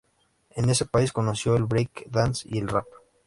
En ese país conoció el break dance y el rap.